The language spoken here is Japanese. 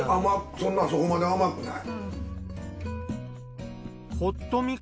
そんなそこまで甘くない。